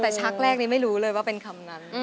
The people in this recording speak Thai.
แต่ชักแรกนี้ไม่รู้เลยว่าเป็นคำนั้น